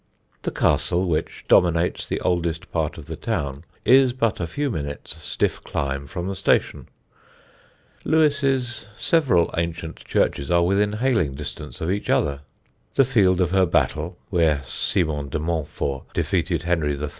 The castle, which dominates the oldest part of the town, is but a few minutes' stiff climb from the station; Lewes's several ancient churches are within hailing distance of each other; the field of her battle, where Simon de Montfort defeated Henry III.